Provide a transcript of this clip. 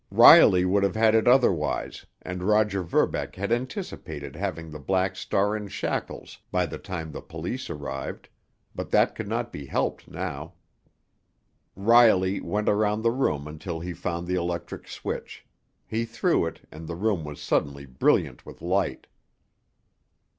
Riley would have had it otherwise, and Roger Verbeck had anticipated having the Black Star in shackles by the time the police arrived, but that could not be helped now. Riley went around the room until he found the electric switch; he threw it, and the room was suddenly brilliant with light.